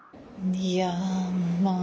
いやまあ。